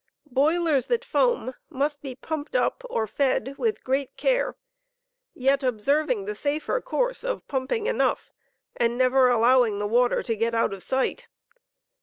Boilers that foam must be pumped up or fed with great care, yet observing p«ding foam the safer course of pumping enough, and never allowing the water to get out of sight.